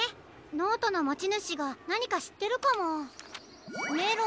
ノートのもちぬしがなにかしってるかも。